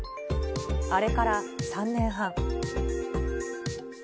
あれから３年半。